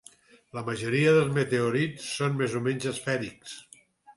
La majoria de meteorits són més o menys esfèrics.